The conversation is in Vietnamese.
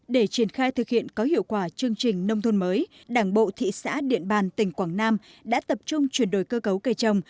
để triển khai thực hiện có hiệu quả chương trình nông thôn mới đảng bộ thị xã điện bàn tỉnh quảng nam đã tập trung chuyển đổi cơ cấu cây trồng